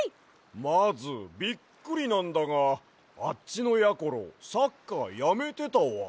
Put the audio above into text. まずびっくりなんだがあっちのやころサッカーやめてたわ。